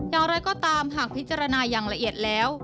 อย่างไรก็ตามหากพิจารณาอย่างละเอียดแล้ว